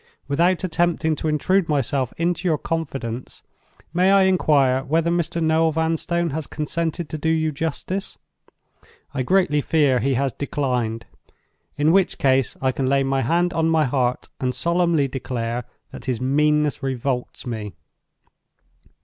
Without attempting to intrude myself into your confidence, may I inquire whether Mr. Noel Vanstone has consented to do you justice? I greatly fear he has declined—in which case I can lay my hand on my heart, and solemnly declare that his meanness revolts me.